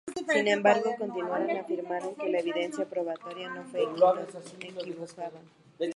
Sin embargo, continuaron afirmando que "la evidencia probatoria no fue inequívoca".